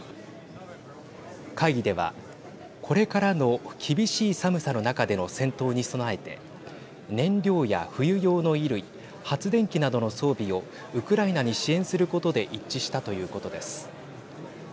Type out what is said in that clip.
会議ではこれからの厳しい寒さの中での戦闘に備えて燃料や冬用の衣類発電機などの装備をウクライナに支援することで一致したということです。